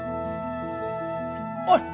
おい！